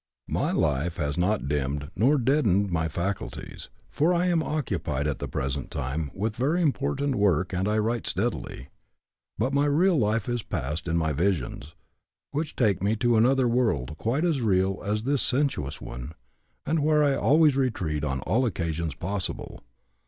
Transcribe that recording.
"My life has not dimmed nor deadened my faculties, for I am occupied at the present time with very important work and I write steadily. But my real life is passed in my visions, which take me into another world quite as real as this sensuous one, and where I always retreat on all occasions possible.